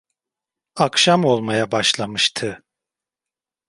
Akşam olmaya başlamıştı.